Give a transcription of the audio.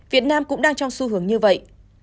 việt nam cũng đang trong xu hướng như vậy